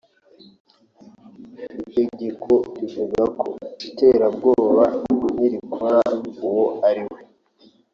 Itegeko rivuga ku iterabwoba n’urikora uwo ariwe